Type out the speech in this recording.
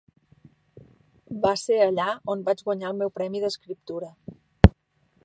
Va ser allà on vaig guanyar el meu premi d'escriptura.